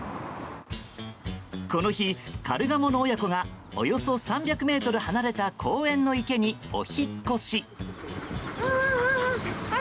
この日、カルガモの親子がおよそ３００ｍ離れた公園の池にお引っ越し。